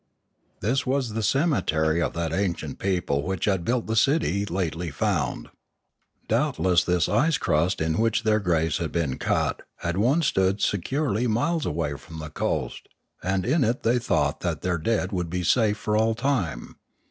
This was the cemetery of that ancient people which had built the city lately found. Doubtless this ice crust in which their graves had been cut had once stood securely miles away from the coast; and in it they thought that their dead would be safe for all time.